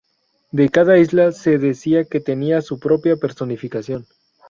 De cada isla se decía que tenía su propia personificación.